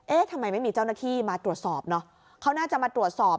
ทำไมไม่มีเจ้าหน้าที่มาตรวจสอบเนอะเขาน่าจะมาตรวจสอบ